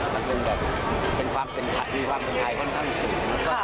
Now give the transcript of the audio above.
มันเป็นแบบฟังเป็นถัดฟังเป็นไทยค่อนข้างสุข